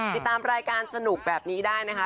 ติดตามรายการสนุกแบบนี้ได้นะคะ